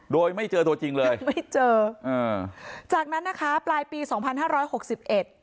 โดยไม่เจอตัวจริงเลยไม่เจออ่าจากนั้นนะคะปลายปีสองพันห้าร้อยหกสิบเอ็ด